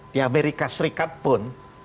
di amerika serikat pun